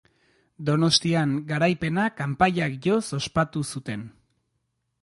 Donostian garaipena kanpaiak joz ospatu zuten.